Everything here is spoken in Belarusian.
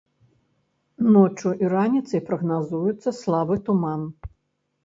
Ноччу і раніцай прагназуецца слабы туман.